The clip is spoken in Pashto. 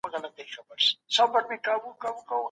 که سرچينې وکارول سي هېواد به شتمن سي.